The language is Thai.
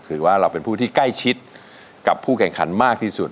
คือว่าเราเป็นผู้ที่ใกล้ชิดกับผู้แข่งขันมากที่สุด